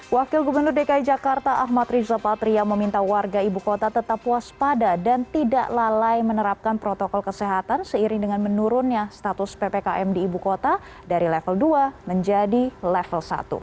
wakil gubernur dki jakarta ahmad riza patria meminta warga ibu kota tetap waspada dan tidak lalai menerapkan protokol kesehatan seiring dengan menurunnya status ppkm di ibu kota dari level dua menjadi level satu